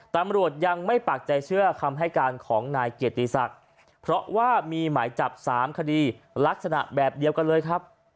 ตำรวจยังไม่ปากใจเชื่อคำให้การของนายเกียรติศักดิ์เพราะว่ามีหมายจับ๓คดีลักษณะแบบเดียวกันเลยครับ